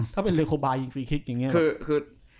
อย่างเลโครบาอยีกฟรีบิลาร์